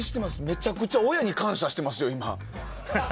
めちゃくちゃ親に感謝してますよ。